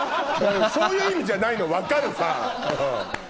そういう意味じゃないの分かるファン。